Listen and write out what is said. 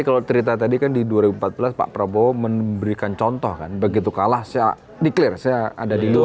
karena tadi kan di dua ribu empat belas pak prabowo memberikan contoh kan begitu kalah saya di clear saya ada di luar